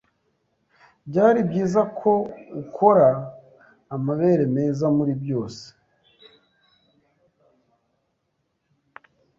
Byari byiza ko ukora amabere meza muri byose.